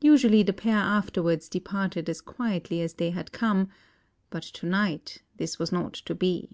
Usually, the pair afterwards departed as quietly as they had come; but to night this was not to be.